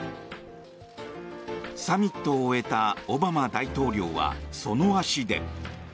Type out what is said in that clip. サミットを終えたオバマ大統領はその足で。